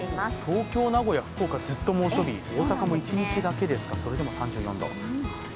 東京、名古屋、福岡、ずっと猛暑日大阪も１日だけですか、それでも３４度。